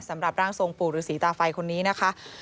สำหรับร่างทรงปู่รุษีตาไฟคนนี้นะคะ